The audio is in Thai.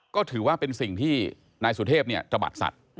ก็ถือว่าเป็นสิ่งที่นายสุเทพตระบัดสัตว์